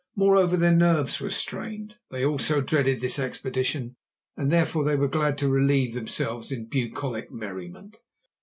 Moreover, their nerves were strained; they also dreaded this expedition, and therefore they were glad to relieve themselves in bucolic merriment.